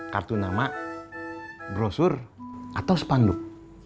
kartu nama brosur atau spanduk